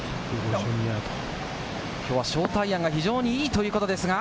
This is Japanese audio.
きょうはショートアイアンが非常にいいということですか？